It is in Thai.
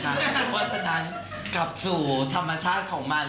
เพราะฉะนั้นกลับสู่ธรรมชาติของมัน